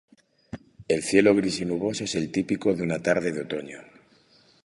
El cielo, gris y nuboso, es el típico de una tarde de otoño.